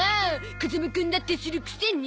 風間くんだってするくせに。